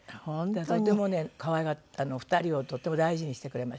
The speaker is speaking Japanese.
とてもね可愛がって２人をとっても大事にしてくれました。